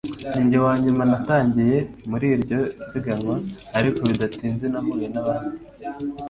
ninjye wanyuma natangiye muri iryo siganwa, ariko bidatinze nahuye nabandi